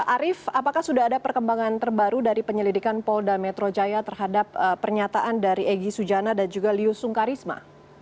arief apakah sudah ada perkembangan terbaru dari penyelidikan polda metro jaya terhadap pernyataan dari egy sujana dan juga lius sungkarisma